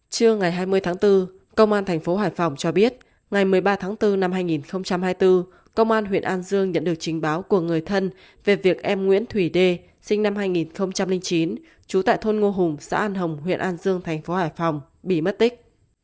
trưa ngày hai mươi tháng bốn công an thành phố hải phòng cho biết ngày một mươi ba tháng bốn năm hai nghìn hai mươi bốn công an huyện an dương nhận được trình báo của người thân về việc em nguyễn thủy đê sinh năm hai nghìn chín trú tại thôn ngô hùng xã an hồng huyện an dương thành phố hải phòng bị mất tích